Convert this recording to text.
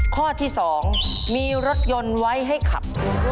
ข้อที่๒มีรถยนต์ไว้ให้ขับ